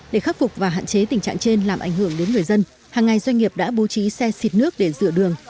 để khắc phục và hạn chế tình trạng trên làm ảnh hưởng đến người dân hàng ngày doanh nghiệp đã bố trí xe xịt nước để rửa đường